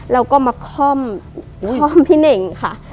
แล้วก็มาคล่อมพี่เหน่งค่ะ